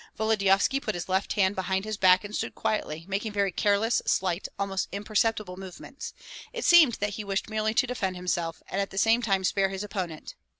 Volodyovski put his left hand behind his back and stood quietly, making very careless, slight, almost imperceptible movements; it seemed that he wished merely to defend himself, and at the same time spare his opponent.